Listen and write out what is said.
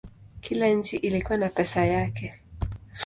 Kila nchi ilikuwa na pesa yake.